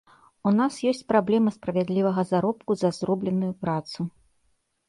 У нас ёсць праблема справядлівага заробку за зробленую працу.